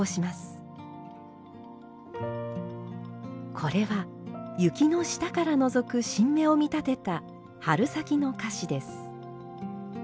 これは雪の下からのぞく新芽を見立てた春先の菓子です。